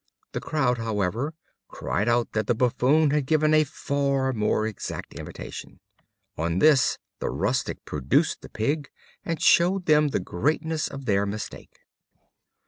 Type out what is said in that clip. The crowd, however, cried out that the Buffoon had given a far more exact imitation. On this the Rustic produced the pig, and showed them the greatness of their mistake.